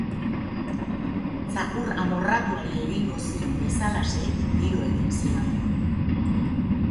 Txakur amorratuari egingo zion bezalaxe tiro egin zion.